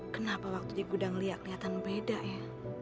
kenapa waktu di gudang lia keliatan beda ya